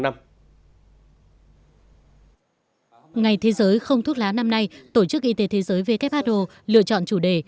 ngày thế giới không thuốc lá năm nay tổ chức y tế thế giới who lựa chọn chủ đề